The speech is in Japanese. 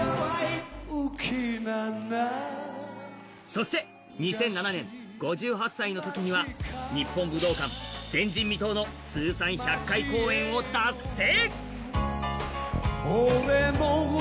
そして、２００７年５８歳のときには日本武道館、前人未到の通算１００回公演を達成。